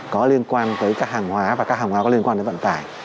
có liên quan tới các hàng hóa và các hàng hóa có liên quan đến vận tải